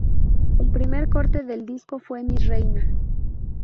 El primer corte del disco fue Mi reina.